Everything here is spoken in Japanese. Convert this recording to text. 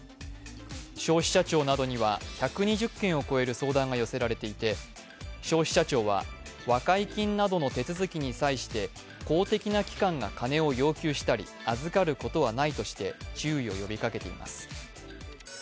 消費者庁などには１２０件を超える相談が寄せられていて、消費者庁は和解金などの手続きに際して公的な機関が金を要求したり預かることはないとして注意を呼びかけています。